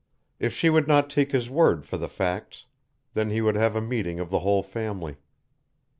If she would not take his word for the facts, then he would have a meeting of the whole family.